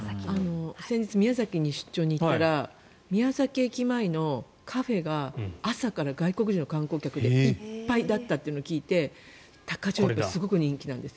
先日、宮崎に出張に行ったら宮崎駅前のカフェが朝から外国人の観光客でいっぱいだったというのを聞いて高千穂ってすごく人気なんです。